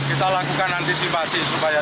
ini tadi ke arah mana